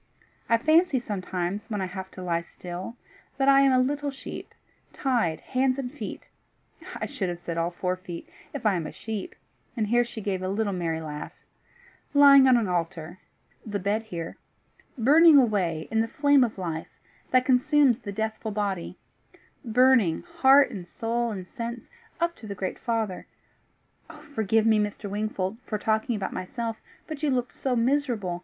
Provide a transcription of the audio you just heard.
I fancy sometimes, when I have to lie still, that I am a little sheep, tied hands and feet I should have said all four feet, if I am a sheep" and here she gave a little merry laugh "lying on an altar the bed here burning away, in the flame of life, that consumes the deathful body burning, heart and soul and sense, up to the great Father. Forgive me, Mr. Wingfold, for talking about myself, but you looked so miserable!